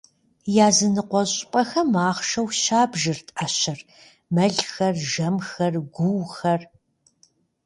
Языныкъуэ щӏыпӏэхэм ахъшэу щабжырт ӏэщыр: мэлхэр, жэмхэр, гуухэр.